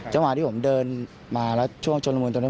เวลาที่ผมเดินมาช่วงชนละมูนตรงนี้